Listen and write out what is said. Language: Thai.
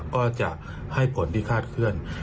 ก็จะให้ผลที่คาดเคลื่อน